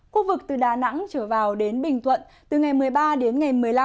khu vực từ đà nẵng trở vào đến bình thuận từ ngày một mươi ba đến ngày một mươi năm